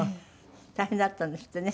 大変だったんですってね。